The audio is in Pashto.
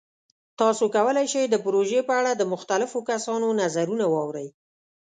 تاسو کولی شئ د پروژې په اړه د مختلفو کسانو نظرونه واورئ.